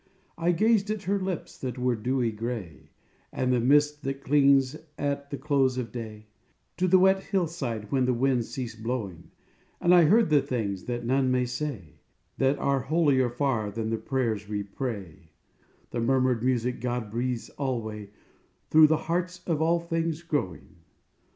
I gazed at her lips, that were dewy gray As the mist that clings, at the close of day, To the wet hillside when the winds cease blowing: And I heard the things that none may say, That are holier far than the prayers we pray, The murmured music God breathes alway Through the hearts of all things growing.